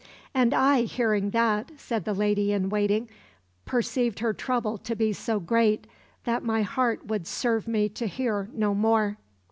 "And I, hearing that," said the lady in waiting, "perceived her trouble to be so great, that my heart would serve me to hear no more."